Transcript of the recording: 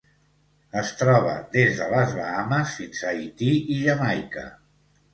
Es troba des de les Bahames fins a Haití i Jamaica.